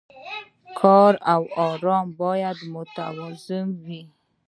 کار او ارام باید متوازن وي.